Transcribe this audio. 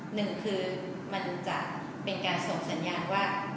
หนึ่งคือมันจะเป็นการส่งสัญญาณว่า